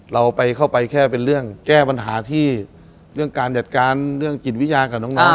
เราไปเข้าไปแค่เป็นเรื่องแก้ปัญหาที่เรื่องการจัดการเรื่องจิตวิญญาณกับน้อง